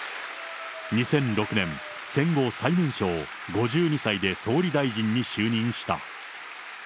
２００６年、戦後最年少、５２歳で総理大臣に就任した。